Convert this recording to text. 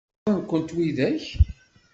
Ɣaḍen-kent widak?